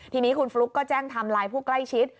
ทีนี้คุณฟลุ๊กก็แจ้งไทม์ไลน์ผู้ใกล้ชิด